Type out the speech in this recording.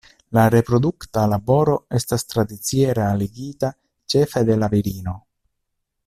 La reprodukta laboro estas tradicie realigita ĉefe de la virino.